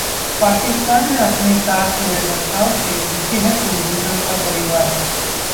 पाकिस्तान में अपने साथ हुए बर्ताव से दुखी है कुलभूषण का परिवार